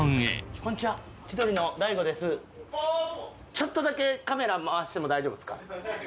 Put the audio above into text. ちょっとだけカメラ回しても大丈夫ですか？